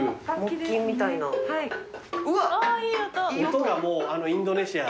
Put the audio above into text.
音がもうインドネシア。